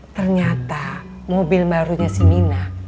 ternyata mobil barunya si mina